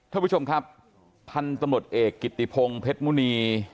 ท่านผู้ชมครับพันธุ์ตำรวจเอกกิติพงศ์เพชรมุณี